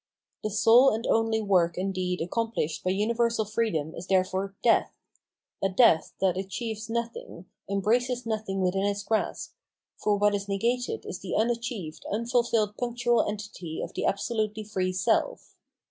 The sole and only work and deed accomplished by universal freedom is therefore death — a death that achieves nothing, embraces nothing within its grasp ; for what is negated is the unachieved, unful fill ed punctual entity of the absolutely free self.